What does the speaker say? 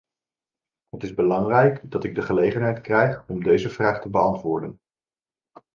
Het is belangrijk dat ik de gelegenheid krijg om deze vraag te beantwoorden.